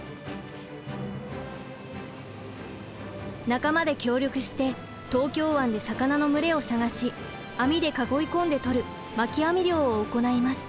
仲間で協力して東京湾で魚の群れを探し網で囲い込んで取るまき網漁を行います。